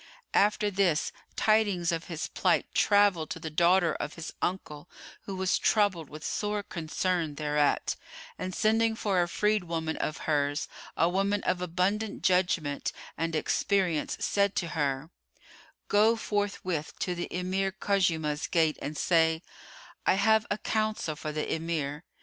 After this, tidings of his plight travelled to the daughter of his uncle who was troubled with sore concern thereat and, sending for a freedwoman of hers, a woman of abundant judgment, and experience, said to her, "Go forthwith to the Emir Khuzaymah's gate and say, 'I have a counsel for the Emir.